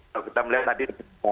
kalau kita melihat tadi